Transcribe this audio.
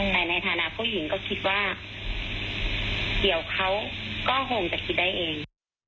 แต่ในฐานะผู้หญิงก็คิดว่าเดี๋ยวเขาก็คงจะคิดได้เอง